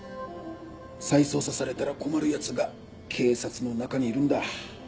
再捜査されたら困るヤツが警察の中にいるんだ。